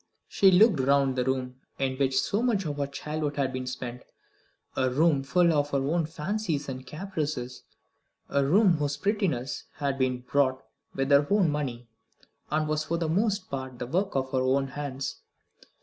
She looked round the room in which so much of her childhood had been spent, a room full of her own fancies and caprices, a room whose prettiness had been bought with her own money, and was for the most part the work of her own hands.